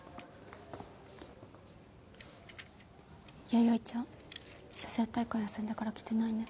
弥生ちゃん写生大会休んでから来てないね。